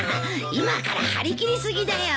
今から張り切り過ぎだよ。